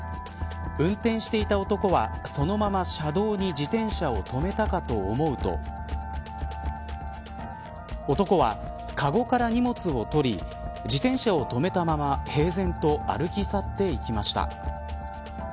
運転していた男はそのまま車道に自転車を止めたかと思うと男は、かごから荷物を取り自転車を止めたまま平然と歩き去っていきました。